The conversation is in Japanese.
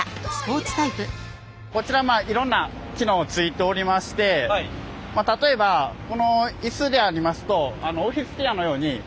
こちらいろんな機能ついておりまして例えばこのイスでありますとオフィスチェアのようにこの。